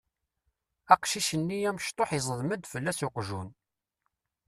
Aqcic-nni amecṭuḥ iẓeddem-d fell-as uqjun.